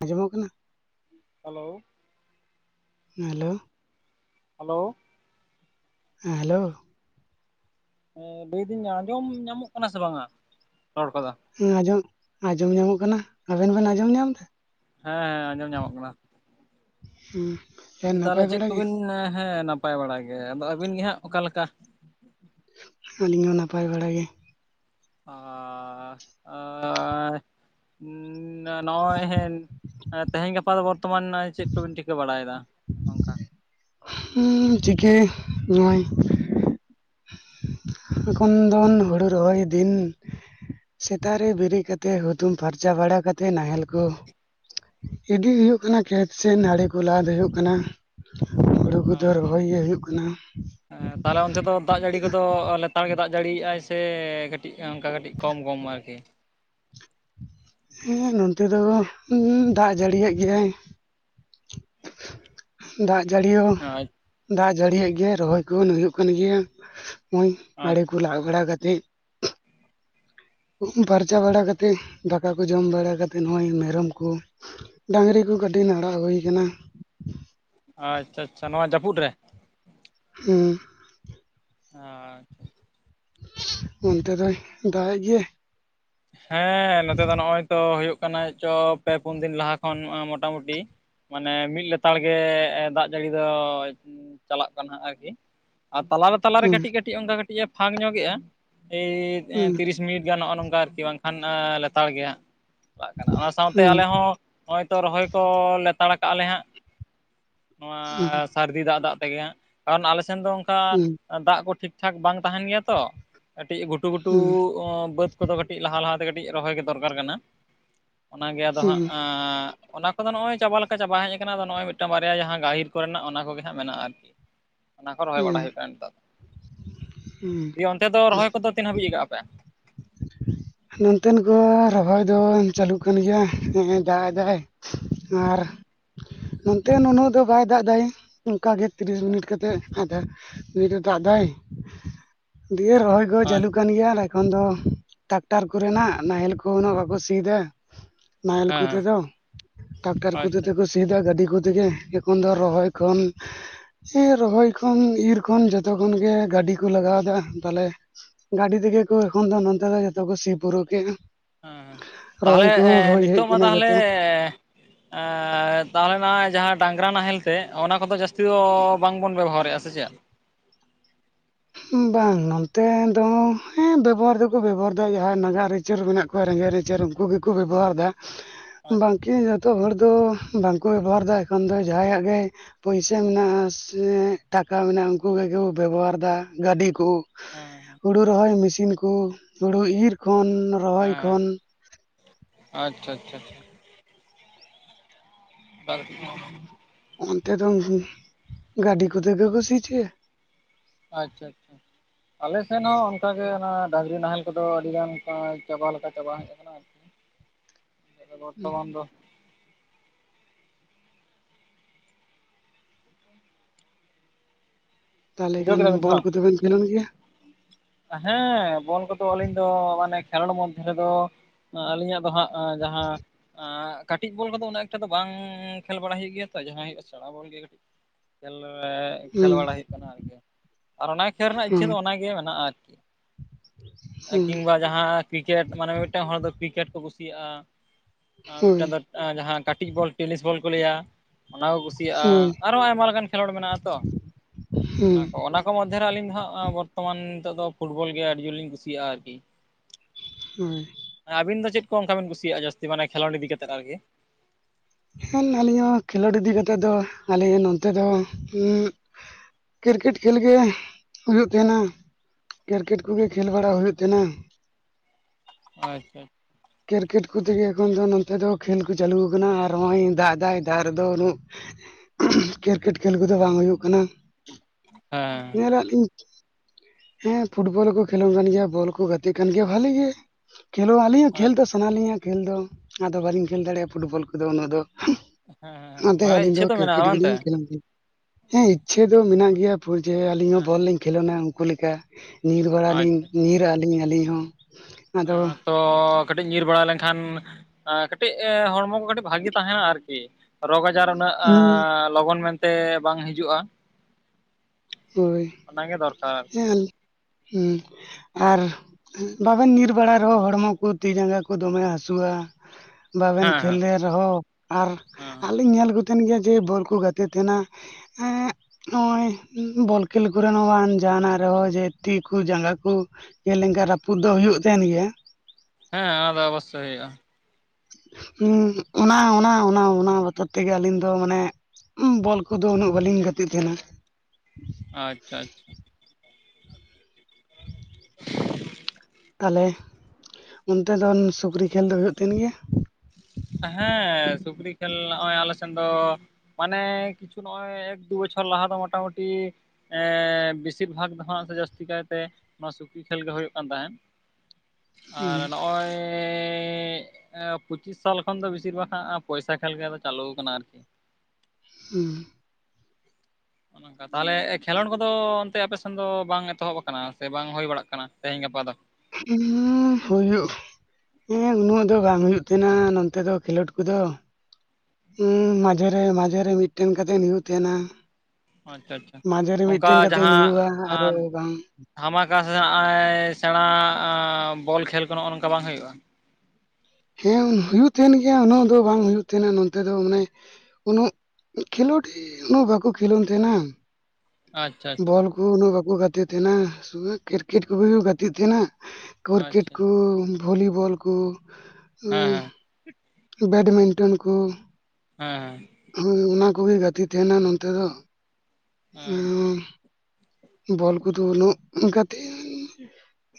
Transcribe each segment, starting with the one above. ᱟᱸᱡᱚᱢᱚᱜ ᱠᱟᱱᱟ? Hello hello hello ᱦᱮᱸ ᱦᱮᱞᱳ ᱞᱟᱹᱭ ᱫᱟᱹᱧ ᱟᱸᱡᱚᱢ ᱧᱟᱢᱚᱜ ᱠᱟᱱᱟ ᱥᱮ ᱵᱟᱝ-ᱟ, ᱨᱚᱲ ᱠᱚᱫᱚ ᱾ ᱟᱸᱡᱚᱢ ᱟᱸᱡᱚᱢ ᱧᱟᱢᱚᱜ ᱠᱟᱱᱟ, ᱟᱵᱮᱱ ᱵᱮᱱ ᱟᱸᱡᱚᱢ ᱧᱟᱢ ᱫᱟ? ᱦᱮᱸ ᱦᱮᱸ ᱟᱸᱡᱚᱢ ᱧᱟᱢᱚᱜ ᱠᱟᱱᱟ ᱾ ᱦᱩ ᱛᱟᱦᱚᱞᱮ ᱪᱮᱫ ᱠᱚᱵᱤᱱ? ᱦᱮᱸ ᱱᱟᱯᱟᱭ ᱵᱟᱲᱟ ᱜᱮ, ᱟᱫᱚ ᱟᱹᱵᱤᱱ ᱜᱮ ᱦᱟᱸᱜ ᱚᱠᱟᱞᱮᱠᱟ? ᱟᱹᱞᱤᱧ ᱦᱚᱸ ᱱᱟᱯᱟᱭ ᱵᱟᱲᱟ ᱜᱮ ᱟᱟ [unintelligible] ᱱᱚᱭ [unintelligible] ᱛᱮᱦᱮᱧ ᱜᱟᱯᱟ ᱫᱚ ᱵᱚᱨᱛᱚᱢᱟᱱ ᱪᱮᱫ ᱠᱚᱵᱤᱱ ᱴᱷᱤᱠᱟᱹ ᱵᱟᱲᱟᱭ ᱮᱫᱟ? ᱱᱚᱝᱠᱟ ᱪᱤᱠᱟᱹᱭ ᱱᱟᱭ? ᱮᱠᱷᱚᱱ ᱫᱚᱱ ᱦᱩᱲᱩ ᱨᱚᱦᱚᱭ ᱫᱤᱱ ᱥᱮᱛᱟᱜ ᱨᱮ ᱵᱤᱨᱤᱫ ᱠᱟᱛᱮ ᱛᱮ ᱦᱩᱛᱩᱢ ᱯᱷᱟᱨᱪᱟ ᱵᱟᱲᱟ ᱠᱟᱛᱮ ᱱᱟᱦᱮᱞ ᱠᱚ ᱤᱰᱤ ᱦᱩᱭᱩᱜ ᱠᱟᱱᱟ ᱠᱷᱮᱛ ᱥᱮᱫ ᱟᱹᱲᱤ ᱠᱩ ᱞᱟᱜᱽ ᱦᱩᱭᱩᱜ ᱠᱟᱱᱟ ᱦᱩᱲᱩ ᱛᱚ ᱟᱨ ᱨᱚᱦᱚᱭ ᱜᱮ ᱦᱩᱭᱩᱜ ᱠᱟᱱᱟ ᱛᱟᱦᱞᱮ ᱚᱱᱛᱮ ᱫᱚ ᱫᱟᱜ ᱡᱟᱹᱲᱤ ᱠᱚᱫᱚ ᱞᱮᱛᱟᱲ ᱜᱮ ᱫᱟᱜ ᱡᱟᱹᱲᱤᱭᱮᱜᱟᱭ ᱥᱮᱻ ᱚᱱᱠᱟ ᱠᱟᱹᱴᱤᱡ ᱠᱚᱢ ᱠᱚᱢ ᱟᱨᱠᱤ ᱦᱮᱸ ᱱᱚᱱᱛᱮ ᱫᱚ ᱩᱸᱻ ᱫᱟᱜ ᱡᱟᱹᱲᱤᱭᱮᱜ ᱜᱮᱭᱟᱭ ᱫᱟᱜ ᱡᱟᱹᱲᱤᱭ ᱦᱚᱸ ᱟᱪ ᱫᱟᱜ ᱡᱟᱹᱲᱤᱭᱟᱜ ᱜᱮᱭᱟᱭ ᱨᱚᱦᱚᱭ ᱠᱚ ᱦᱩᱭᱩᱜ ᱠᱟᱱ ᱜᱮᱭᱟ ᱱᱚᱜ ᱟᱪ ᱟᱲᱮ ᱠᱚ ᱞᱟᱜᱽ ᱵᱟᱲᱟ ᱠᱟᱛᱮ ᱩᱢ ᱯᱷᱟᱨᱪᱟ ᱵᱟᱲᱟ ᱠᱟᱛᱮ, ᱫᱟᱠᱟ ᱠᱚ ᱡᱚᱢ ᱵᱟᱲᱟ ᱠᱟᱛᱮ, ᱱᱚᱜᱼᱚᱭ ᱢᱮᱨᱚᱢ ᱠᱚ ᱰᱟᱸᱜᱨᱤ ᱠᱚ ᱠᱟᱹᱴᱤᱱ ᱟᱲᱟᱜ ᱦᱩᱭ ᱠᱟᱱᱟ ᱟᱪᱪᱷᱟ ᱟᱪᱪᱷᱟ ᱱᱚᱣᱟ ᱡᱟᱹᱯᱩᱫ ᱨᱮ ᱦᱩᱸ ᱟᱟᱻ ᱚᱱᱛᱮ ᱫᱚᱭ ᱫᱟᱜᱽ ᱮᱫ ᱜᱮᱭ-ᱟ? ᱦᱮᱸ ᱱᱚᱛᱮ ᱫᱚ ᱱᱚᱜᱼᱚᱭ ᱛᱚ ᱦᱩᱭᱩᱜ ᱠᱟᱱᱟ ᱪᱚ ᱯᱮ ᱯᱩᱱ ᱫᱤᱱ ᱞᱟᱦᱟ ᱠᱷᱚᱱ ᱢᱚᱴᱟᱢᱩᱴᱤ ᱢᱟᱱᱮ ᱢᱤᱫ ᱞᱮᱛᱟᱲ ᱜᱮ ᱫᱟᱜ ᱡᱟᱹᱲᱤ ᱫᱚ ᱪᱟᱞᱟᱜ ᱠᱟᱱᱟ ᱟᱨᱠᱤ᱾ ᱟᱨ ᱛᱟᱞᱟ ᱨᱮ ᱫᱚ ᱛᱟᱞᱟᱨᱮ ᱠᱟᱹᱴᱤᱡ ᱠᱟᱹᱴᱤᱡ ᱚᱱᱠᱟ ᱠᱟᱹᱴᱤᱡᱼ ᱮ ᱯᱷᱟᱸᱠ ᱧᱚᱜᱮᱜᱼᱟ ᱮᱭ ᱛᱤᱨᱤᱥ ᱢᱤᱱᱤᱴ ᱜᱟᱱ ᱱᱚᱜᱼᱚᱭ ᱱᱚᱝᱠᱟ ᱠᱤ ᱵᱟᱝᱠᱷᱟᱱ ᱞᱮᱛᱟᱲ ᱜᱮᱭᱟ, ᱪᱟᱞᱟᱜ ᱠᱟᱱᱟ ᱚᱱᱟ ᱥᱟᱶᱛᱮ ᱟᱞᱮ ᱦᱚᱸ ᱱᱚᱜᱼᱚᱭ ᱛᱚ ᱨᱚᱦᱚᱭ ᱠᱚ ᱞᱮᱛᱟᱲ ᱠᱟᱜᱼᱟ ᱞᱮ ᱦᱟᱸᱜ ᱱᱚᱣᱟ ᱥᱟᱹᱨ ᱫᱟᱜ ᱫᱟᱜ ᱛᱮᱜᱮ ᱦᱟᱸ, ᱠᱟᱨᱚᱱ ᱟᱞᱮ ᱥᱮᱱ ᱫᱚ ᱚᱱᱠᱟ ᱫᱟᱜ ᱠᱚ ᱴᱷᱤᱠ ᱴᱷᱟᱠ ᱵᱟᱝ ᱛᱟᱦᱮᱱ ᱜᱮᱭᱟ ᱛᱚ, ᱠᱟᱹᱴᱤᱡ ᱜᱷᱩᱴᱩ ᱜᱷᱩᱴᱩ ᱵᱟᱹᱫ ᱠᱚᱫᱚ ᱠᱟᱹᱴᱤᱡ ᱞᱟᱦᱟ ᱞᱟᱦᱟᱛᱮ ᱠᱟᱹᱴᱤᱡ ᱨᱚᱦᱚᱭ ᱜᱮ ᱫᱚᱨᱠᱟᱨ ᱠᱟᱱᱟ ᱚᱱᱟᱜᱮ ᱟᱫᱚ ᱦᱟᱸᱜ ᱚᱱᱟ ᱠᱚᱫᱚ ᱱᱚᱜᱼᱚᱭ ᱪᱟᱵᱟ ᱞᱮᱠᱟ ᱪᱟᱵᱟ ᱦᱮᱡ ᱟᱠᱟᱱᱟ ᱱᱚᱜᱼᱚᱭ ᱢᱤᱫᱴᱟᱝ ᱵᱟᱨᱭᱟ ᱡᱟᱦᱟᱸ ᱜᱟᱹᱦᱤᱨ ᱠᱚᱨᱮᱱᱟᱜ ᱚᱱᱟ ᱠᱚᱜᱮ ᱦᱟᱸᱜ ᱢᱮᱱᱟᱜᱼᱟ ᱟᱨᱠᱤ᱾ [inaudible] ᱚᱱᱟ ᱠᱚ ᱨᱚᱦᱚᱭ ᱵᱟᱲᱟ ᱦᱩᱭᱩᱜ ᱠᱟᱱᱟ᱾ ᱱᱮᱛᱚᱜ ᱫᱚ ᱫᱤᱭᱮ ᱚᱱᱛᱮ ᱫᱚ ᱨᱚᱦᱚᱭ ᱠᱚᱫᱚ ᱛᱤᱱ ᱦᱟᱹᱵᱤᱡ ᱠᱟᱜ-ᱟ ᱯᱮ? ᱱᱚᱛᱮᱱ ᱠᱚ ᱨᱚᱦᱚᱭ ᱫᱚ ᱪᱟᱹᱞᱩᱜ ᱠᱟᱱ ᱜᱮᱭᱟ ᱦᱮᱸ ᱫᱟᱜ ᱫᱟᱭ ᱱᱟᱨ ᱱᱚᱱᱛᱮ ᱱᱩᱱᱟᱹᱜ ᱫᱚ ᱵᱟᱭ ᱫᱟᱜ ᱫᱟᱭ ᱚᱱᱠᱟ ᱜᱮ ᱛᱤᱨᱤᱥ ᱢᱤᱱᱤᱴ ᱠᱟᱛᱮ ᱫᱟᱜ ᱫᱟᱭ ᱫᱤᱭᱮ ᱨᱚᱦᱚᱭ ᱠᱚ ᱦᱮᱸ ᱪᱟᱹᱞᱩ ᱠᱟᱱ ᱜᱮᱭᱟ ᱮᱠᱷᱚᱱ ᱫᱚ ᱴᱟᱠᱴᱟᱨ ᱠᱚ ᱨᱮᱱᱟᱜ ᱱᱟᱦᱮᱞ ᱠᱚ ᱩᱱᱟᱹᱜ ᱵᱟᱠᱚ ᱥᱤᱭ ᱮᱫᱟ᱾ ᱱᱟᱭᱮᱞ ᱠᱩᱛᱮ ᱦᱮᱸ ᱫᱚ, ᱴᱟᱠᱴᱟᱨ ᱠᱩᱛᱮ ᱟᱪᱪᱷᱟ ᱛᱮᱠᱚ ᱥᱤᱫᱟ ᱜᱟᱹᱰᱤ ᱠᱟᱛᱮ ᱜᱮ ᱮᱠᱷᱚᱱ ᱫᱚ ᱨᱚᱦᱚᱭ ᱠᱷᱚᱱ ᱦᱮᱸ ᱨᱚᱦᱚᱭ ᱠᱷᱚᱱ ᱤᱨ ᱠᱷᱚᱱ ᱡᱚᱛᱚ ᱠᱷᱚᱱ ᱜᱮ ᱜᱟᱹᱰᱤ ᱠᱚ ᱞᱟᱜᱟᱣ ᱮᱫᱟ, ᱛᱟᱦᱞᱮ ᱜᱟᱹᱰᱤ ᱛᱮᱜᱮ ᱠᱚ ᱮᱠᱷᱚᱱ ᱫᱚ ᱱᱚᱱᱛᱮ ᱫᱚ ᱡᱚᱛᱚ ᱠᱚ ᱥᱤ ᱯᱩᱨᱟᱹ ᱠᱮᱜᱼᱟ᱾ ᱦᱮᱸ ᱨᱚᱦᱚᱭ ᱛᱟᱦᱚᱞᱮ ᱠᱚ ᱦᱩᱭ ᱦᱮᱡ ᱱᱤᱛᱚᱜ ᱢᱟ ᱠᱟᱱᱟ ᱛᱟᱦᱚᱞᱮ ᱡᱚᱛᱚ [inaudible] ᱛᱟᱦᱞᱮ ᱱᱟᱜ ᱡᱟᱦᱟᱸ ᱰᱟᱝᱜᱽᱨᱟ ᱱᱟᱦᱮᱞ ᱛᱮ, ᱚᱱᱟ ᱠᱚᱫᱚ ᱡᱟᱹᱥᱛᱤ ᱫᱚ ᱵᱟᱝᱵᱚᱱ ᱵᱮᱵᱚᱦᱟᱨᱮᱫᱼᱟ ᱥᱮ ᱪᱮᱫ? ᱵᱟᱝ ᱱᱚᱱᱛᱮᱸ ᱫᱚ ᱦᱮᱸ ᱵᱮᱵᱚᱦᱟᱨ ᱫᱚᱠᱚ ᱵᱮᱵᱚᱦᱟᱨ ᱮᱫᱟ, ᱡᱟᱦᱟᱸᱭ ᱱᱟᱜᱟᱨ ᱨᱮ ᱪᱟᱹᱨ ᱢᱮᱱᱟᱜ ᱠᱚᱣᱟ ᱨᱮᱸᱜᱮᱡ ᱨᱤᱪᱟᱹᱨ ᱩᱱᱠᱩ ᱜᱮ ᱠᱚ ᱵᱮᱵᱚᱦᱟᱨ ᱮᱫᱟ ᱟᱪᱪᱷᱟ ᱵᱟᱝᱠᱤ᱾ ᱦᱚᱲ ᱫᱚ ᱵᱟᱝ ᱠᱚ ᱵᱮᱵᱚᱦᱟᱨ ᱮᱫᱟ, ᱮᱠᱷᱚᱱ ᱫᱚ ᱡᱟᱦᱟᱸᱭᱟᱜ ᱜᱮ ᱯᱩᱭᱥᱟᱹ ᱢᱮᱱᱟᱜᱼᱟ ᱥᱮ ᱴᱟᱠᱟ ᱢᱮᱱᱟᱜᱼᱟ, ᱩᱱᱠᱩ ᱜᱮ ᱠᱚ ᱵᱮᱵᱚᱦᱟᱨ ᱮᱫᱟ ᱜᱟᱹᱰᱤ ᱠᱚ ᱦᱩᱸ ᱦᱩᱲᱩ ᱨᱚᱦᱚᱭ ᱢᱤᱥᱤᱱ ᱠᱩ, ᱦᱩᱲᱩ ᱤᱨ ᱠᱷᱚᱱ ᱨᱚᱦᱚᱭ ᱦᱮᱸ ᱠᱷᱚᱱ ᱟᱪᱪᱷᱟ ᱟᱪᱪᱷᱟ [inaudible] ᱚᱱᱛᱮ ᱫᱚ ᱜᱟᱹᱰᱤ ᱠᱚᱛᱮ ᱜᱮ ᱠᱩ ᱥᱤ ᱪᱚᱭᱟ᱾ ᱟᱪᱪᱷᱟ ᱟᱪᱪᱷᱟ ᱪᱷᱟ ᱟᱞᱮ ᱥᱮᱱ ᱦᱚᱸ ᱚᱱᱠᱟ ᱜᱮ ᱚᱱᱟ ᱰᱟᱝᱜᱽᱨᱤ ᱱᱟᱦᱮᱞ ᱠᱚᱫᱚ ᱟᱹᱰᱤ ᱜᱟᱱ ᱠᱚ ᱪᱟᱵᱟ ᱞᱮᱠᱟ ᱪᱟᱵᱟ ᱦᱮᱡ ᱟᱠᱟᱱᱟ᱾ [inaudible] ᱵᱚᱨᱛᱚᱢᱟᱱ ᱫᱚ ᱛᱟᱦᱚᱞᱮ ᱵᱩᱡᱷᱟᱹᱣ ᱠᱷᱟᱱ ᱠᱮᱫᱟ ᱵᱤᱱ ᱥᱮ ᱵᱚᱞ ᱵᱟᱝ ᱠᱚᱫᱚ ᱵᱤᱱ ᱠᱷᱮᱞᱳᱱ ᱜᱤᱭᱟ? ᱦᱮᱸ ᱵᱚᱞ ᱠᱚᱫᱚ ᱟᱹᱞᱤᱧ ᱫᱚ ᱢᱟᱱᱮ ᱠᱷᱮᱞᱳᱰ ᱢᱚᱫᱽᱫᱷᱮ ᱨᱮᱫᱚ ᱟᱹᱞᱤᱧᱟᱜ ᱫᱚ ᱦᱟᱸᱜ ᱡᱟᱦᱟᱸ ᱟᱸ ᱠᱟᱹᱴᱤᱡ ᱵᱚᱞ ᱠᱚᱫᱚ ᱩᱱᱟᱹᱜ ᱮᱠᱴᱟ ᱫᱚ ᱵᱟᱝ ᱠᱷᱮᱞ ᱵᱟᱲᱟ ᱦᱩᱭᱩᱜ ᱜᱮᱭᱟ ᱛᱚ᱾ ᱡᱟᱦᱟᱸ ᱦᱩᱭᱩᱜᱼᱟ ᱥᱮᱬᱟ ᱵᱚᱞ ᱜᱮ ᱠᱷᱮᱞ ᱠᱷᱮᱞ ᱦᱩᱸ ᱵᱟᱲᱟ ᱦᱩᱭᱩᱜ ᱠᱟᱱᱟ ᱟᱨᱠᱤ ᱟᱨ ᱚᱱᱟ ᱠᱷᱮᱞ ᱨᱮᱱᱟᱜ ᱤᱪᱪᱷᱟᱹ ᱦᱩᱸ ᱫᱚ ᱚᱱᱟᱜᱮ ᱢᱮᱱᱟᱜᱼᱟ ᱟᱨᱠᱤ᱾ ᱦᱩᱸ ᱠᱤᱝᱵᱟ ᱡᱟᱦᱟᱸ ᱠᱨᱤᱠᱮᱴ ᱢᱟᱱᱮ ᱢᱤ-ᱢᱤᱫᱴᱟᱝ ᱦᱚᱲ ᱫᱚ ᱠᱨᱤᱠᱮᱴ ᱠᱚ ᱠᱩᱥᱤᱭᱟᱜᱼᱟ ᱟᱨ ᱦᱳᱭ ᱢᱤᱫᱴᱟᱝ ᱫᱚ ᱡᱟᱦᱟᱸ ᱠᱟᱹᱴᱤᱡ ᱵᱚᱞ ᱴᱮᱞᱤᱥ ᱵᱚᱞ ᱠᱚ ᱞᱟᱹᱭᱟ᱾ ᱚᱱᱟ ᱠᱚ ᱦᱳᱭ ᱠᱩᱥᱤᱭᱟᱜᱼᱟ ᱟᱨᱦᱚᱸ ᱟᱭᱢᱟ ᱞᱮᱠᱟᱱ ᱠᱷᱮᱞᱳᱰ ᱢᱮᱱᱟᱜᱼᱟ ᱛᱚ᱾ ᱦᱩᱸ ᱚᱱᱟ ᱠᱚ ᱠᱚ ᱢᱚᱫᱽᱫᱷᱮ ᱨᱮ ᱟᱹᱞᱤᱧ ᱫᱚ ᱦᱟᱸᱜ ᱵᱚᱨᱛᱚᱢᱟᱱ ᱱᱤᱛᱚᱜ ᱫᱚ ᱯᱷᱩᱴᱵᱚᱞ ᱜᱮ ᱟᱹᱰᱤ ᱡᱳᱨ ᱞᱤᱧ ᱠᱩᱥᱤᱭᱟᱜᱼᱟ ᱟᱨᱠᱤ᱾ ᱩᱸ ᱟᱹᱵᱤᱱ ᱫᱚ ᱪᱮᱫ ᱠᱚ ᱚᱱᱠᱟ ᱵᱤᱱ ᱠᱩᱥᱤᱭᱟᱜᱼᱟ ᱡᱟᱹᱥᱛᱤ ᱢᱟᱱᱮ ᱠᱷᱮᱸᱞᱳᱰ ᱤᱫᱤ ᱠᱟᱛᱮ ᱟᱨᱠᱤ᱾ ᱦᱮᱸ ᱟᱹᱞᱤᱧ ᱦᱚᱸ ᱠᱷᱮᱞᱳᱰ ᱤᱫᱤ ᱠᱟᱛᱮᱜ ᱫᱚ ᱟᱞᱮ ᱱᱚᱛᱮ ᱫᱚ ᱩᱸ ᱠᱤᱨᱠᱮᱴ ᱠᱷᱮᱞ ᱜᱮ ᱦᱩᱭᱩᱜ ᱛᱟᱦᱮᱱᱟ᱾ ᱠᱤᱨᱠᱮᱴ ᱠᱚᱜᱮ ᱠᱷᱮᱞ ᱵᱟᱲᱟ ᱦᱩᱭᱩᱜ ᱛᱟᱸᱦᱮᱱᱟ᱾ ᱟᱪᱪᱷᱟ᱾ ᱠᱮᱨᱠᱮᱴ ᱠᱚᱛᱮ ᱜᱮ ᱮᱠᱷᱚᱱ ᱫᱚ ᱱᱚᱱᱛᱮ ᱫᱚ ᱠᱷᱮᱞ ᱠᱚ ᱪᱟᱹᱞᱩ ᱠᱟᱱᱟ ᱟᱨ ᱱᱚᱜᱼᱚᱭ ᱫᱟᱜ ᱫᱟᱭ ᱫᱟᱜ ᱨᱮᱫᱚ ᱟᱫᱚ ᱼᱼ ᱠᱮᱨᱠᱮᱴ ᱠᱷᱮᱞ ᱠᱚᱫᱚ ᱵᱟᱝ ᱦᱩᱭᱩᱜ ᱠᱟᱱᱟ᱾ ᱦᱮᱸ᱾ ᱧᱮᱞᱟ ᱤᱧᱼᱼ ᱦᱮᱸ ᱯᱷᱩᱴᱵᱚᱞ ᱠᱚ ᱠᱷᱮᱞᱳᱱ ᱠᱟᱱ ᱜᱮᱭᱟ ᱵᱚᱞ ᱠᱚ ᱜᱟᱛᱮᱜ ᱠᱟᱱ ᱜᱮᱭᱟ, ᱵᱷᱟᱞᱮ ᱜᱮ ᱠᱷᱮᱞᱳ ᱟᱞᱤᱧ ᱦᱚᱸ ᱦᱮᱸ ᱠᱷᱮᱞ ᱫᱚᱼᱼ ᱥᱟᱱᱟ ᱞᱤᱧᱟ ᱠᱷᱮᱞ ᱫᱚ ᱟᱫᱚ ᱵᱟᱹᱞᱤᱧ ᱠᱷᱮᱞ ᱫᱟᱲᱮᱭᱟᱜᱼᱟ ᱯᱷᱩᱴᱵᱚᱞ ᱠᱚᱫᱚ ᱩᱱᱟᱹᱜ ᱫᱚ᱾ ᱦᱮᱸ ᱚᱱᱟᱛᱮ ᱢᱟᱱᱮ ᱟᱹᱞᱤᱧ ᱤᱪᱪᱷᱟᱹ ᱫᱚ ᱢᱮᱱᱟᱜᱼᱟ ᱠᱤᱨᱠᱮᱴ ᱵᱟᱝ ᱛᱮ ᱜᱮᱞᱤᱧ ᱠᱷᱮᱞᱚᱱ ᱛᱟᱦᱮᱸᱱᱟ᱾ ᱦᱮᱸ ᱤᱪᱪᱷᱟᱹ ᱫᱚ ᱢᱮᱱᱟᱜ ᱜᱮᱭᱟ [unintelligible] ᱡᱮ ᱟᱹᱞᱤᱧ ᱦᱚᱸ ᱵᱚᱞ ᱞᱤᱧ ᱠᱷᱮᱞᱳᱱᱟ ᱩᱱᱠᱩ ᱞᱮᱠᱟ᱾ ᱧᱤᱨ ᱵᱟᱲᱟᱞᱤᱧ ᱟᱪᱪᱷᱟ ᱧᱤᱨᱟ ᱞᱤᱧ ᱟᱹᱞᱤᱧ ᱦᱚᱸ ᱟᱫᱚᱼᱼ ᱛᱚ ᱠᱟᱹᱴᱤᱡ ᱧᱤᱨ ᱵᱟᱲᱟ ᱞᱮᱱᱠᱷᱟᱱ, ᱠᱟᱹᱴᱤᱡ ᱦᱚᱲᱢᱚ ᱠᱚ ᱠᱟᱹᱴᱤᱡ ᱵᱷᱟᱹᱜᱤ ᱛᱟᱦᱮᱸᱱᱟ ᱟᱨᱠᱤ᱾ ᱨᱳᱜᱽ ᱟᱡᱟᱨ ᱩᱱᱟᱹᱜ ᱦᱩᱸ ᱞᱚᱜᱚᱱ ᱢᱮᱱᱛᱮ ᱵᱟᱝ ᱦᱤᱡᱩᱜᱼᱟ᱾ ᱦᱳᱭ ᱚᱱᱟᱜᱮ ᱫᱚᱨᱠᱟᱨ ᱟᱨᱠᱤ ᱦᱮᱸ ᱦᱮᱸ᱾ ᱟᱨ ᱵᱟᱵᱮᱱ ᱧᱤᱨ ᱵᱟᱲᱟ ᱨᱮᱦᱚᱸ ᱦᱚᱲᱢᱚ ᱠᱚ ᱛᱤ ᱡᱟᱸᱜᱟ ᱠᱚ ᱫᱚᱢᱮ ᱦᱟᱹᱥᱩᱣᱟ᱾ ᱵᱟᱵᱮᱱ ᱦᱮᱸ ᱠᱷᱮᱞ ᱦᱮᱸ ᱞᱮ ᱨᱮᱦᱚᱸ ᱟᱨ ᱦᱮᱸ ᱟᱞᱤᱧ ᱧᱮᱞᱼᱼ ᱛᱟᱦᱮᱱ ᱜᱮᱭᱟ ᱡᱮ ᱵᱚᱞ ᱠᱚ ᱜᱟᱛᱮᱜ ᱛᱟᱦᱮᱱᱟ ᱮᱜ ᱱᱚᱜᱼᱚᱭᱼᱼ ᱵᱚᱞ ᱠᱷᱮᱞ ᱠᱚᱨᱮ ᱦᱚᱸ ᱵᱟᱝ ᱡᱟᱦᱱᱟᱜ ᱨᱮᱦᱚᱸ ᱡᱮ ᱛᱤ ᱠᱩ ᱡᱟᱸᱜᱟ ᱠᱩᱼᱼ ᱧᱮᱞ ᱞᱮᱱᱠᱟ ᱨᱟᱹᱯᱩᱫ ᱫᱚ ᱦᱩᱭᱩᱜ ᱛᱟᱦᱮᱱ ᱜᱮᱭᱟ᱾ ᱦᱮᱸ ᱚᱱᱟ ᱫᱚ ᱚᱵᱚᱥᱥᱳᱭ ᱦᱳᱭᱳᱜᱼᱟ᱾ ᱦᱮᱸ ᱚᱱᱟ ᱚᱱᱟ ᱚᱱᱟ ᱚᱱᱟ ᱵᱚᱛᱚᱨ ᱛᱮᱜᱮ ᱟᱹᱞᱤᱧ ᱫᱚ ᱢᱟᱱᱮᱼᱼ ᱵᱚᱞ ᱠᱚᱫᱚ ᱩᱱᱟᱹᱜ ᱵᱟᱞᱤᱧ ᱜᱟᱛᱮᱜ ᱛᱟᱦᱮᱱᱟ᱾ ᱟᱪᱪᱷᱟ ᱟᱪᱪᱷᱟ᱾ [unintelligible] ᱛᱟᱦᱚᱞᱮ ᱚᱱᱛᱮ ᱫᱚᱱ ᱥᱩᱠᱨᱤ ᱠᱷᱮᱞ ᱫᱚ ᱦᱩᱭᱩᱜ ᱛᱟᱦᱮᱱ ᱜᱤᱭᱟ? ᱦᱮᱸ ᱥᱩᱠᱨᱤ ᱠᱷᱮᱞ ᱱᱚᱜᱼᱚᱭ ᱟᱞᱮ ᱥᱮᱱ ᱫᱚᱼᱼ ᱢᱟᱱᱮ ᱠᱤᱪᱷᱩ ᱱᱚᱜᱼᱚᱭ ᱮᱠ ᱫᱩ ᱵᱚᱪᱷᱚᱨ ᱞᱟᱦᱟ ᱫᱚ ᱢᱚᱴᱟᱢᱩᱴᱤᱼᱼ ᱮᱸᱻ ᱵᱮᱥᱤᱨ ᱵᱷᱟᱜᱽ ᱫᱚ ᱦᱟᱜ ᱡᱟᱹᱥᱛᱤ ᱠᱟᱭᱛᱮᱼᱼ ᱱᱚᱣᱟ ᱥᱩᱠᱨᱤ ᱠᱷᱮᱞ ᱜᱮ ᱦᱩᱭᱩᱜ ᱠᱟᱱ ᱛᱟᱦᱮᱸᱫ᱾ ᱟᱨ ᱱᱚᱜᱼᱚᱭ ᱯᱚᱸᱪᱤᱥ ᱥᱟᱞᱼᱼ ᱠᱷᱚᱱ ᱫᱚ ᱵᱤᱥᱤᱨ ᱵᱷᱟᱜ ᱦᱟᱜ ᱯᱚᱭᱥᱟ ᱠᱷᱮᱞ ᱜᱮ ᱫᱚ ᱪᱟᱹᱞᱩ ᱠᱟᱱᱟ ᱟᱨᱠᱤ᱾ ᱦᱩᱸ᱾ ᱚᱱᱠᱟ ᱛᱟᱦᱚᱞᱮ ᱠᱷᱮᱞᱳᱰ ᱠᱚᱫᱚ ᱚᱱᱛᱮ ᱟᱯᱮ ᱥᱮᱱ ᱫᱚ ᱵᱟᱝ ᱮᱛᱚᱦᱚᱵ ᱟᱠᱟᱱᱟ ᱥᱮ ᱵᱟᱝ ᱦᱩᱭ ᱵᱟᱲᱟᱜ ᱠᱟᱱᱟ ᱛᱮᱦᱮᱧ ᱜᱟᱯᱟ ᱫᱚ? [unintelligible] ᱦᱩᱭᱩᱜᱼᱼ ᱦᱮᱸ ᱩᱱᱟᱹᱜ ᱫᱚ ᱵᱟᱝ ᱦᱩᱭᱩᱜ ᱛᱟᱦᱮᱸᱱᱟ, ᱱᱚᱱᱛᱮ ᱫᱚ ᱠᱷᱮᱞᱳᱰ ᱠᱚᱫᱚ᱾ ᱩ ᱢᱟᱡᱷᱮᱨᱮ ᱢᱟᱡᱷᱮᱨᱮ ᱢᱤᱫᱴᱮᱱ ᱠᱟᱛᱮᱜ ᱦᱩᱭᱩᱜ ᱛᱟᱦᱮᱸᱱᱟ᱾ ᱟᱪᱪᱷᱟ ᱟᱪᱪᱷᱟ ᱢᱟᱡᱷᱮ ᱨᱮ ᱚᱱᱠᱟ ᱢᱤᱫᱴᱮᱱ ᱠᱟᱛᱮ ᱱᱩᱭᱩᱜᱼᱟ ᱟᱨᱚ ᱵᱟᱝ᱾ ᱟᱢᱟ ᱠᱟᱛᱷᱟ ᱫᱚ ᱱᱚᱜᱼᱚᱭ ᱥᱮᱬᱟ ᱵᱚᱞ ᱠᱷᱮᱞ ᱠᱚ ᱱᱚᱜᱼᱚ ᱱᱚᱝᱠᱟ ᱵᱟᱝ ᱦᱩᱭᱩᱜᱼᱟ? ᱦᱮᱸ ᱦᱩᱭᱩᱜ ᱛᱟᱦᱮᱱ ᱜᱮᱭᱟ ᱩᱱᱟᱹᱜ ᱫᱚ ᱵᱟᱝ ᱦᱩᱭᱩᱜ ᱛᱟᱦᱮᱱᱟ ᱱᱚᱱᱛᱮ ᱫᱚ ᱢᱟᱱᱮᱼᱼ ᱩᱱᱟᱹᱜ ᱠᱷᱮᱞᱳᱰᱤᱭᱟᱹ ᱩᱱᱟᱹᱜ ᱵᱟᱠᱚ ᱠᱷᱮᱞᱳᱸᱰ ᱛᱟᱦᱮᱱᱟ, ᱟᱪᱪᱷᱟ ᱟᱪᱪᱷᱟ ᱵᱚᱞᱼᱼ ᱠᱩ ᱩᱱᱟᱹᱜ ᱵᱟᱠᱚ ᱜᱟᱛᱮᱜ ᱛᱟᱦᱮᱱᱟ, ᱥᱩᱫᱩ ᱠᱤᱨᱠᱮᱴ ᱠᱚᱜᱮ ᱠᱚ ᱜᱟᱛᱮᱜ ᱛᱟᱦᱮᱸᱱᱟ᱾ ᱠᱤᱨᱠᱮᱴ ᱟᱪᱪᱷᱟ ᱠᱩ ᱵᱷᱚᱞᱤᱵᱚᱞ ᱠᱩ᱾ ᱦᱮᱸ ᱦᱳᱭ ᱦᱮᱸ ᱵᱮᱰᱢᱤᱱᱴᱚᱱ ᱠᱩ᱾ ᱦᱮᱸ ᱦᱮᱸ ᱾ ᱦᱳᱭ ᱚᱱᱟ ᱠᱚᱜᱮ ᱜᱟᱛᱮᱜ ᱛᱟᱦᱮᱱᱟ ᱱᱚᱱᱛᱮ ᱫᱚᱼᱼ ᱦᱮᱸ ᱦᱮᱸ ᱵᱚᱞ ᱠᱩᱫᱚ ᱩᱱᱟᱹᱜ ᱜᱟᱛᱮᱜ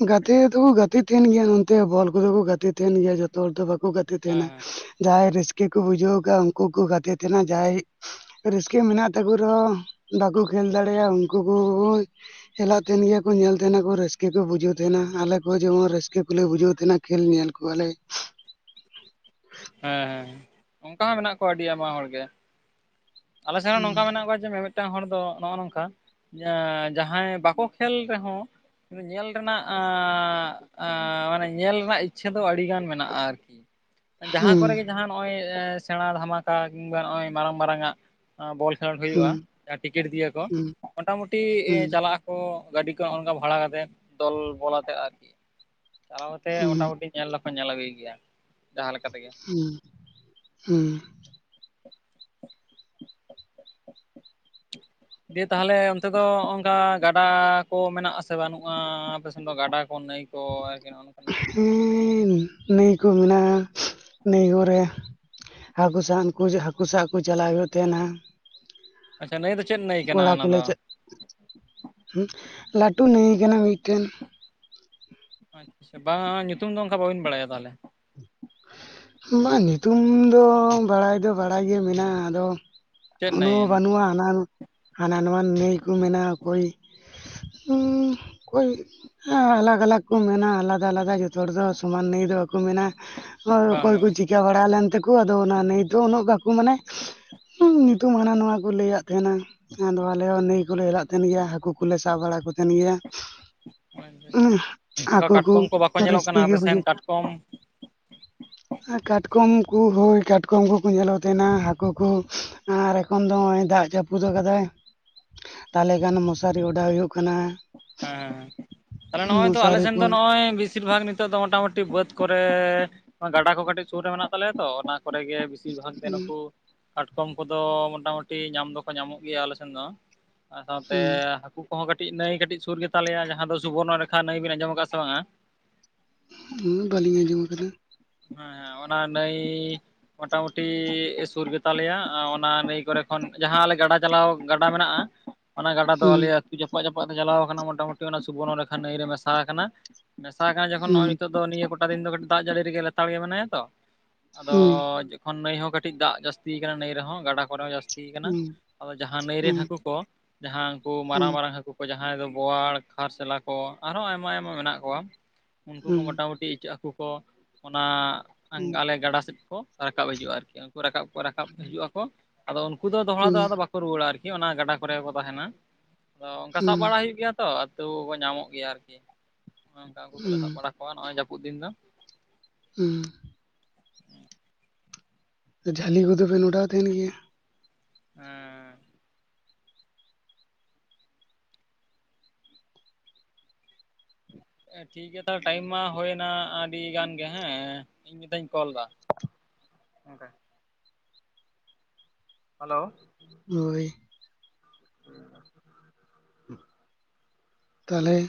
ᱟᱹᱧᱼᱼ ᱜᱟᱛᱮ ᱫᱚᱠᱚ ᱜᱟᱛᱮ ᱛᱟᱦᱮᱱ ᱜᱮᱭᱟ ᱱᱚᱱᱛᱮ ᱵᱚᱞ ᱠᱚᱫᱚ ᱠᱚ ᱜᱟᱛᱮ ᱛᱟᱦᱮᱱ ᱜᱮᱭᱟ ᱡᱚᱛᱚ ᱦᱚᱲ ᱫᱚ ᱵᱟᱠᱚᱼᱼ ᱠᱩ ᱜᱟᱛᱮᱜ ᱦᱮᱸ ᱛᱟᱦᱮᱱᱟ ᱦᱮᱸ ᱡᱟᱦᱟᱸᱟᱭ ᱨᱟᱹᱥᱠᱟᱹ ᱠᱚ ᱵᱩᱡᱷᱟᱹᱣ ᱠᱟᱜᱼᱟ, ᱩᱱᱠᱩ ᱠᱚ ᱜᱟᱛᱮ ᱛᱟᱦᱮᱱᱟ ᱡᱟᱦᱟᱸᱭᱼᱼ ᱨᱟᱹᱥᱠᱟᱹ ᱢᱮᱱᱟᱜ ᱛᱟᱠᱚ ᱨᱮᱦᱚᱸ ᱵᱟᱠᱚ ᱠᱷᱮᱞ ᱫᱟᱲᱮᱭᱟᱜ ᱩᱱᱠᱩ ᱠᱚ ᱵᱚᱨᱚᱝᱼᱼ ᱪᱟᱞᱟᱜ ᱛᱟᱦᱮᱱ ᱜᱮᱭᱟ ᱠᱚ ᱧᱮᱞ ᱛᱟᱦᱮᱸᱱᱟᱠᱩ ᱨᱟᱹᱥᱠᱟᱹ ᱠᱚ ᱵᱩᱡᱷᱟᱹᱣ ᱛᱟᱦᱮᱸᱱᱟ, ᱟᱞᱮ ᱠᱚ ᱡᱮᱢᱚᱱ ᱨᱟᱹᱥᱠᱟᱹ ᱠᱚᱞᱮ ᱵᱩᱡᱷᱟᱹᱣ ᱛᱟᱦᱮᱱᱟ᱾ ᱠᱷᱮᱞ ᱧᱮᱞ ᱠᱚᱣᱟᱞᱮ᱾ ᱦᱮᱸ ᱦᱮᱸ ᱚᱝᱠᱟ ᱦᱚᱸ ᱢᱮᱱᱟᱜ ᱠᱚᱣᱟ ᱟᱹᱰᱤ ᱟᱭᱢᱟ ᱦᱚᱲ ᱜᱮ᱾ ᱟᱞᱮ ᱥᱮᱱ ᱦᱚᱸ ᱱᱚᱝᱠᱟ ᱢᱮᱱᱟᱜ ᱠᱚᱣᱟ ᱡᱮ ᱢᱤᱢᱤᱫᱴᱟᱝ ᱦᱚᱲ ᱫᱚ ᱱᱚᱜᱼᱚ ᱱᱚᱝᱠᱟ᱾ ᱮᱸ, ᱡᱟᱦᱟᱸᱭ ᱵᱟᱠᱚ ᱠᱷᱮᱹᱞ ᱨᱮᱦᱚᱸ ᱧᱮᱞ ᱨᱮᱱᱟᱜ ᱟᱸᱻ ᱟᱸᱻ ᱢᱟᱱᱮ ᱧᱮᱞ ᱨᱮᱱᱟᱜ ᱤᱪᱪᱷᱟᱹ ᱫᱚ ᱟᱹᱰᱤ ᱜᱟᱱ ᱢᱮᱱᱟᱜᱼᱟ ᱟᱨᱠᱤ ᱡᱟᱦᱟᱸ ᱦᱩᱸ ᱠᱚᱨᱮᱜᱮ ᱡᱟᱦᱟᱸ ᱱᱚᱜᱼᱚᱭ ᱥᱮᱬᱟ ᱫᱷᱟᱢᱟᱠᱟ ᱠᱤᱝᱵᱟ ᱱᱚᱜᱼᱚᱭ ᱢᱟᱨᱟᱝ ᱢᱟᱨᱟᱝᱟᱜ ᱵᱚᱞ ᱡᱷᱮᱹᱞ ᱦᱩᱭᱩᱜᱼᱟ ᱦᱩᱸ ᱡᱟᱦᱟᱸ ᱴᱤᱠᱤᱴ ᱫᱤᱭᱟ ᱠᱚ, ᱦᱩᱸ ᱢᱚᱴᱟᱢᱩᱴᱤ ᱦᱩᱸ ᱪᱟᱞᱟᱜ ᱠᱚ ᱜᱟᱹᱰᱤ ᱠᱚ ᱚᱱᱠᱟ ᱵᱷᱟᱲᱟ ᱠᱟᱛᱮᱜ, ᱫᱚᱞᱵᱚᱞ ᱟᱛᱮᱜ ᱟᱨᱠᱤ ᱪᱟᱞᱟᱣ ᱠᱟᱛᱮ ᱦᱩᱸ ᱢᱚᱴᱟᱢᱩᱴᱤ ᱧᱮᱞ ᱫᱚᱠᱚ ᱧᱮᱞ ᱟᱹᱜᱩᱭ ᱜᱮᱭᱟ ᱡᱟᱦᱟᱸ ᱞᱮᱠᱟ ᱛᱮᱜᱮ᱾ ᱦᱩᱸ, ᱦᱩᱸ᱾ ᱫᱤᱭᱮ ᱛᱟᱦᱞᱮ ᱚᱱᱛᱮ ᱫᱚ ᱱᱚᱜ ᱚᱝᱠᱟ ᱜᱟᱰᱟ ᱠᱚ ᱢᱮᱱᱟᱜ ᱟᱥᱮ ᱵᱟᱹᱱᱩᱜᱼᱟ? ᱟᱯᱮ ᱥᱮᱱ ᱫᱚ ᱜᱟᱰᱟ ᱠᱚ ᱱᱟᱹᱭ ᱠᱚ ᱟᱨᱠᱤ ᱱᱚᱜ-ᱚ ᱱᱚᱝᱠᱟ ᱱᱟᱜ? ᱦᱩᱸ, ᱱᱟᱹᱭᱠᱚ ᱢᱮᱱᱟᱜ-ᱟ, ᱱᱟᱹᱭ ᱠᱚᱨᱮ᱾ ᱦᱟᱹᱠᱩ ᱥᱟᱵ ᱩᱝᱠᱩ ᱡᱮ ᱦᱟᱹᱠᱩ ᱥᱟᱵ ᱠᱩ ᱪᱟᱞᱟᱣ ᱦᱩᱭᱩᱜ ᱛᱮᱦᱮᱱᱟ᱾ ᱟᱪᱪᱷᱟ ᱱᱟᱹᱭ ᱫᱚ ᱪᱮᱫ ᱱᱟᱹᱭ ᱠᱟᱱᱟ ᱚᱱᱟ ᱫᱚ? ᱦᱩᱸ, ᱞᱟᱹᱴᱩ ᱱᱟᱹᱭ ᱠᱟᱱᱟ ᱢᱤᱫᱴᱮᱱ᱾ ᱟᱪᱪᱷᱟ ᱵᱟᱝᱟᱴ ᱧᱩᱛᱩᱢ ᱫᱚ ᱚᱱᱠᱟ ᱵᱟᱵᱤᱱ ᱵᱟᱲᱟᱭᱟ ᱛᱟᱦᱮᱞᱮ? ᱵᱟᱝ ᱧᱩᱛᱩᱢ ᱫᱚ ᱵᱟᱲᱟᱭ ᱫᱚ ᱵᱟᱲᱟᱭ ᱜᱮ ᱢᱮᱱᱟᱜ-ᱟ ᱟᱫᱚ ᱪᱮᱫ ᱱᱟᱹᱭ ᱩᱱᱟᱹᱜ ᱢᱟ ᱚᱱᱟ ᱫᱚ? ᱵᱟᱹᱱᱩᱜ-ᱟ ᱦᱟᱱᱟ ᱱᱚᱣᱟ ᱱᱟᱹᱭ ᱠᱚ ᱢᱮᱱᱟ ᱚᱠᱚᱭ ᱩᱸᱻ ᱚᱠᱚᱭ ᱟᱞᱟᱜᱽ ᱟᱞᱟᱜᱽ ᱠᱚ ᱢᱮᱱᱟ ᱟᱞᱟᱫᱟ ᱟᱞᱟᱫᱟ ᱡᱚᱛᱚ ᱦᱚᱲ ᱫᱚ ᱥᱚᱢᱟᱱ ᱱᱟᱹᱭ ᱫᱚ ᱵᱟᱠᱚ ᱢᱮᱱᱟ᱾ ᱦᱳᱭ, ᱵᱟᱝ ᱚᱠᱚᱭ ᱠᱚ ᱪᱤᱠᱟᱹ ᱵᱟᱲᱟ ᱞᱮᱱ ᱛᱮᱠᱚ ᱟᱫᱚ ᱚᱱᱟ ᱱᱤᱛᱚᱜ ᱩᱱᱟᱹᱜ ᱵᱟᱠᱚ ᱢᱟᱱᱮ ᱧᱩᱛᱩᱢ ᱦᱟᱱᱟ ᱱᱚᱣᱟ ᱠᱚ ᱞᱟᱹᱭᱟᱫ ᱛᱟᱦᱮᱱᱟ᱾ ᱡᱮᱢᱚᱱ ᱟᱞᱮ ᱦᱚᱸ ᱱᱟᱹᱭ ᱠᱚᱞᱮ ᱦᱮᱞᱟᱜ ᱛᱟᱸᱦᱮᱱ ᱜᱮᱭᱟ, ᱦᱟᱹᱠᱩ ᱠᱚᱞᱮ ᱥᱟᱵ ᱵᱟᱲᱟ ᱠᱚ ᱛᱟᱸᱦᱮᱱ ᱜᱮᱭᱟ᱾ ᱵᱟᱝ [unintelligible] ᱦᱟᱹᱠᱩ ᱠᱚ ᱨᱟᱹᱥᱠᱟᱹ ᱜᱮ ᱵᱩᱡᱩᱜ᱾ ᱠᱚᱢ ᱠᱟᱴᱠᱚᱢ ᱠᱚ, ᱦᱳᱭ ᱠᱟᱴᱠᱚᱢ ᱠᱚᱠᱚ ᱧᱮᱞᱚᱜ ᱛᱟᱸᱦᱮᱱᱟ ᱦᱟᱹᱠᱩ ᱠᱚ᱾ ᱟᱨ ᱮᱠᱷᱚᱱ ᱫᱚ ᱦᱚᱸᱜ-ᱚᱭ ᱫᱟᱜ ᱡᱟᱹᱯᱩᱫ ᱟᱠᱟᱫᱟᱭ᱾ ᱛᱟᱦᱞᱮ ᱠᱷᱟᱱ ᱢᱚᱥᱟᱨᱤ ᱚᱰᱟᱣ ᱦᱩᱭᱩᱜ ᱠᱟᱱᱟ᱾ ᱦᱮᱸ, ᱛᱟᱦᱞᱮ ᱱᱚᱜ-ᱚᱭ ᱛᱴᱫᱚ ᱟᱞᱮ ᱢᱚᱥᱟᱨᱤ ᱥᱮᱱ ᱠᱚ ᱫᱚ ᱱᱚᱜ-ᱚᱭ ᱵᱤᱥ ᱵᱤᱥᱤᱨ ᱵᱷᱟᱜᱽ ᱱᱤᱛᱚᱜ ᱫᱚ ᱢᱚᱴᱟᱢᱩᱴᱤ ᱵᱟᱹᱫ ᱠᱚᱨᱮ ᱜᱟᱰᱟ ᱠᱚ ᱠᱟᱹᱴᱤᱡ ᱥᱩᱨ ᱨᱮ ᱢᱮᱱᱟᱜ ᱛᱟᱞᱮᱭᱟ ᱛᱚ ᱚᱱᱟ ᱠᱚᱨᱮ ᱜᱮ ᱵᱤᱥ ᱵᱤᱥᱤᱨ ᱵᱷᱟᱜᱽ ᱜᱮ ᱦᱩᱸ ᱱᱩᱠᱩ ᱠᱟᱴᱠᱚᱢ ᱠᱚᱫᱚ ᱢᱚᱴᱟᱢᱩᱴᱤ ᱧᱟᱢ ᱫᱚᱠᱚ ᱧᱟᱢᱚᱜ ᱜᱮᱭᱟ ᱟᱞᱮ ᱥᱮᱱ ᱫᱚ᱾ ᱟᱨ ᱥᱟᱶᱛᱮ ᱦᱩᱸ ᱦᱟᱹᱠᱩ ᱠᱚᱦᱚᱸ ᱠᱟᱹᱴᱤᱡ ᱱᱟᱹᱭ ᱚᱱᱟ ᱥᱟᱶᱛᱮ ᱟᱨ ᱥᱟᱶᱛᱮ ᱦᱟᱹᱠᱩ ᱠᱚᱦᱚᱸ ᱠᱟᱹᱴᱤᱡ ᱱᱟᱹᱭ ᱠᱟᱹᱴᱤᱡ ᱥᱩᱨ ᱜᱮᱛᱟᱞᱮᱭᱟ ᱡᱟᱦᱟᱸ ᱫᱚ ᱥᱩᱵᱚᱨᱱᱚ ᱨᱮᱠᱷᱟ ᱱᱟᱹᱭ ᱵᱮᱱ ᱟᱸᱡᱚᱢ ᱠᱟᱜ-ᱟ ᱥᱮ ᱵᱟᱝᱟ? ᱦᱩᱸ, ᱵᱟᱹᱞᱤᱧ ᱟᱸᱡᱚᱢ ᱠᱟᱫᱟ᱾ ᱦᱮᱸ ᱚᱱᱟ ᱱᱟᱹᱭ ᱢᱚᱴᱟᱢᱩᱴᱤ ᱥᱩᱨ ᱜᱮᱛᱟᱞᱮᱭᱟ ᱚᱱᱟ ᱱᱟᱹᱭ ᱠᱚᱨᱮ ᱠᱷᱚᱱ ᱡᱟᱦᱟᱸ ᱟᱞᱮ ᱜᱟᱰᱟ ᱪᱟᱞᱟᱣ, ᱜᱟᱰᱟ ᱢᱮᱱᱟᱜ-ᱟ᱾ ᱚᱱᱟ ᱜᱟᱰᱟ ᱫᱚ ᱦᱩᱸ ᱟᱞᱮ ᱟᱹᱛᱩ ᱡᱟᱯᱟᱜ ᱡᱟᱯᱟᱜ ᱛᱮ ᱪᱟᱞᱟᱣ ᱟᱠᱟᱱᱟ ᱢᱚᱴᱟᱢᱩᱴᱤ ᱚᱱᱟ ᱥᱩᱵᱚᱨᱱᱚ ᱨᱮᱠᱷᱟ ᱱᱟᱹᱭ ᱨᱮ ᱢᱮᱥᱟ ᱟᱠᱟᱱᱟ᱾ ᱢᱮᱥᱟ ᱟᱠᱟᱱᱟ ᱡᱚᱠᱷᱚᱱ ᱱᱚᱜᱚᱭ ᱦᱩᱸ ᱱᱤᱛᱚᱜ ᱫᱚ ᱱᱤᱭᱟᱹ ᱜᱚᱴᱟ ᱫᱤᱱ ᱫᱚ ᱠᱟᱹᱴᱤᱡ ᱫᱟᱜ ᱡᱟᱹᱲᱤ ᱨᱮᱜᱮ ᱞᱮᱛᱟᱲ ᱜᱮ ᱢᱮᱱᱟᱭᱟ ᱛᱚ᱾ ᱟᱫᱚ ᱦᱩᱸ ᱡᱚᱠᱷᱚᱱ ᱱᱟᱹᱭ ᱦᱚᱸ ᱠᱟᱹᱴᱤᱡ ᱫᱟᱜ ᱡᱟᱹᱥᱛᱤᱭ ᱠᱟᱱᱟ ᱱᱟᱹᱭ ᱨᱮᱦᱚᱸ ᱜᱟᱰᱟ ᱠᱚᱨᱮ ᱦᱚᱸ ᱡᱟᱹᱥ ᱛᱤᱭ ᱠᱟᱱᱟ, ᱦᱩᱸ ᱟᱫᱚ ᱡᱟᱦᱟᱸ ᱱᱟᱹᱭ ᱨᱮᱱ ᱦᱩᱸ ᱦᱟᱹᱠᱩ ᱠᱚ ᱡᱟᱦᱟᱸ ᱩᱝᱠᱩ ᱦᱩᱸ ᱢᱟᱨᱟᱝ ᱢᱟᱨᱟᱝ ᱦᱟᱹᱠᱩ᱾ ᱡᱟᱦᱟᱸᱭ ᱫᱚ ᱵᱳᱣᱟᱲ, ᱠᱷᱟᱨᱥᱮᱞᱟ ᱠᱚ ᱟᱨᱦᱚᱸ ᱟᱭᱢᱟ ᱟᱭᱢᱟ ᱢᱮᱱᱟᱜ ᱠᱚᱣᱟ᱾ ᱦᱩᱸ ᱩᱱᱠᱩ ᱠᱚ ᱦᱩᱸ ᱢᱚᱴᱟ-ᱢᱩᱴᱤ ᱤᱪᱟᱹᱜ ᱦᱟᱹᱠᱩ ᱠᱚ ᱚᱱᱟ ᱟᱞᱮ ᱜᱟᱰᱟ ᱥᱮᱫ᱾ ᱠᱚ ᱨᱟᱠᱟᱵ ᱦᱤᱡᱩᱜ-ᱟ ᱟᱨᱠᱤ ᱩᱱᱠᱩ ᱨᱟᱠᱟᱵ ᱠᱚ ᱨᱟᱠᱟᱵ ᱦᱤᱡᱩᱜ-ᱟ ᱟᱫᱚ ᱩᱱᱠᱩ ᱫᱚ ᱫᱚᱦᱲᱟ ᱦᱩᱸ ᱫᱚ ᱵᱟ ᱠᱚ ᱨᱩᱣᱟᱹᱲᱟ ᱟᱨᱠᱤ ᱚᱱᱟ ᱜᱟᱰᱟ ᱠᱚᱨᱮ ᱠᱚ ᱛᱟᱦᱮᱱᱟ ᱟᱫᱚ ᱚᱝᱠᱟ ᱥᱟᱵ ᱵᱟᱲᱟ ᱦᱩᱭᱩᱜ ᱜᱮᱭᱟ᱾ ᱛᱚ ᱟᱹᱛᱩ ᱠᱚ ᱧᱟᱢᱚᱜ ᱜᱮᱭᱟ ᱟᱨᱠᱤ ᱱᱚᱝᱠᱟ ᱩᱱᱠᱩ ᱠᱚᱞᱮ ᱦᱩᱸ ᱥᱟᱵ ᱵᱟᱲᱟ ᱠᱚᱣᱟ ᱱᱚᱜ-ᱚᱭ ᱡᱟᱹᱯᱩᱫ ᱫᱤᱱ ᱫᱚ᱾ ᱦᱩᱸ᱾ ᱡᱷᱟᱹᱞᱤ ᱠᱚᱫᱚ ᱵᱮᱱ ᱚᱰᱟᱣ ᱛᱟᱦᱮᱱ ᱜᱮᱭᱟ? ᱦᱮᱸ᱾ ᱮᱸ, ᱴᱷᱤᱠ ᱜᱮᱭᱟ ᱛᱟᱦᱚᱞᱮ ᱴᱟᱭᱤᱢ ᱢᱟ ᱦᱩᱭᱮᱱᱟ ᱟᱹᱰᱤ ᱜᱟᱱ ᱜᱮ ᱦᱮᱸ᱾ ᱤᱧ ᱢᱤᱫ ᱫᱷᱟᱣᱤᱧ ᱠᱚᱞᱫᱟ ᱜᱚᱝᱠᱮ᱾ ᱦᱮᱞᱳ᱾ ᱦᱚᱭ ᱾ [unintelligible] ᱛᱟᱦᱚᱞᱮ ᱾